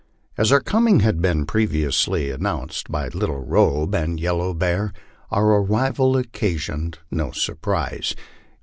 As our coming had been previously announced by Little Robe and Yellow Bear, our arrival occasioned no surprise.